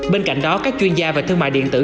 bên cạnh đó các chuyên gia về thương mại điện tử